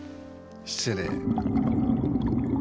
失礼。